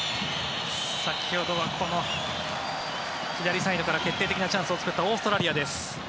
先ほどはこの左サイドから決定的なチャンスを作ったオーストラリアです。